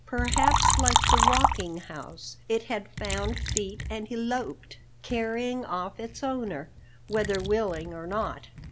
Perhaps, like the Walking House, it had found feet and eloped, carrying off its owner, whether willing or not.